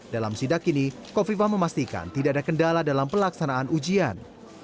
dalam sidak ini kofifah memastikan tidak ada kendala dalam pelaksanaan ujian